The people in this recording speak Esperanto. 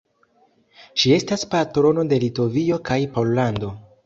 Ŝi estas patrono de Litovio kaj Pollando.